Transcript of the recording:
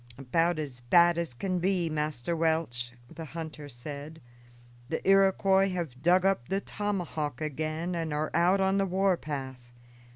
"About as bad as can be, Master Welch," the hunter said. "The Iroquois have dug up the tomahawk again and are out on the war path.